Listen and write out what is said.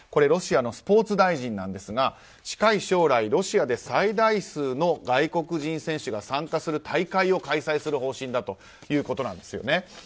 ロシアのスポーツ大臣ですが近い将来、ロシアで最大数の外国人選手が参加する大会を開催する方針だということなんですよね。